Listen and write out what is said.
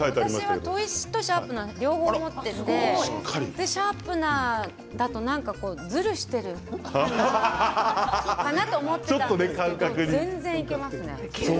私は、砥石ととシャープナー両方あってシャープナーだとずるしている感じがあったんですけど全然いけますね。